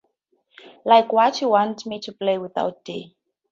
Like, 'What, you want me to play without D.